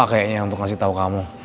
lupa kayaknya untuk ngasih tau kamu